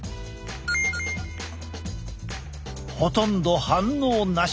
ほとんど反応なし。